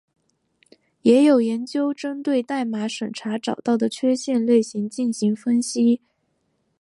也有研究针对代码审查找到的缺陷类型进行分析。